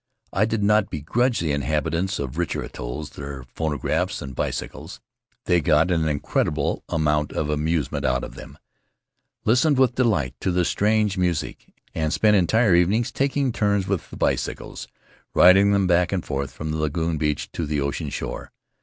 I did not begrudge the in habitants of richer atolls their phonographs and bicycles. They got an incredible amount of amuse ment out of them; listened with delight to the strange Rutiaro music, and spent entire evenings taking turns with the bicycles, riding them back and forth from the lagoon beach to the ocean shore.